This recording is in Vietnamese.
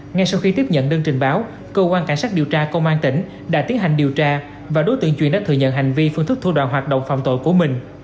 ngay sau khi tiếp nhận đơn trình báo cơ quan cảnh sát điều tra công an tỉnh đã tiến hành điều tra và đối tượng truyền đã thừa nhận hành vi phương thức thua đoạn hoạt động phạm tội của mình